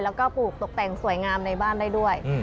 แล้วก็ปลูกตกแต่งสวยงามในบ้านได้ด้วย